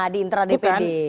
di intra dpd